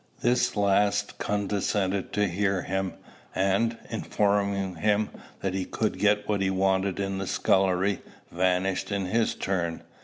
This last condescended to hear him; and, informing him that he could get what he wanted in the scullery, vanished in his turn.